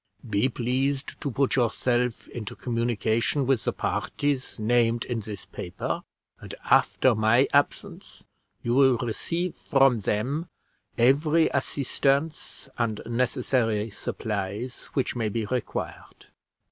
Be pleased to put yourself into communication with the parties named in this paper, and after my absence you will receive from them every assistance and necessary supplies which may be required."